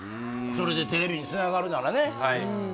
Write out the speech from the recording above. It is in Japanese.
それでテレビにつながるならね